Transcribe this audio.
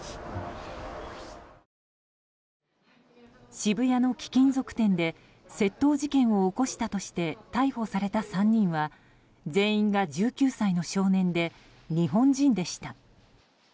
渋谷の貴金属店で窃盗事件を起こしたとして逮捕された３人は全員が１９歳の少年で日本人でした。